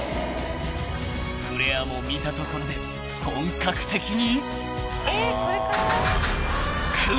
［フレアも見たところで本格的に］